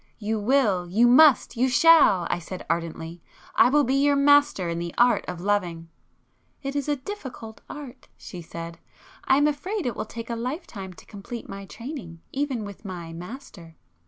"You will, you must, you shall!" I said ardently. "I will be your master in the art of loving!" "It is a difficult art!" she said—"I am afraid it will take a life time to complete my training, even with my 'master.